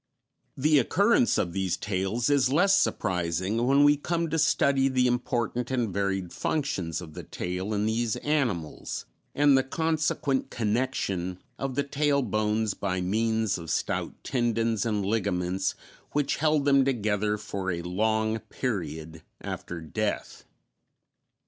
The occurrence of these tails is less surprising when we come to study the important and varied functions of the tail in these animals, and the consequent connection of the tail bones by means of stout tendons and ligaments which held them together for a long period after death.